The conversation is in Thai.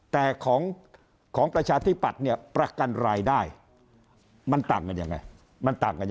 แต่ของประชาธิปัตย์เนี่ยประกันรายได้มันต่างกันยังไง